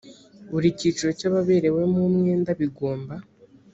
buri cyiciro cy ababerewemo umwenda bigomba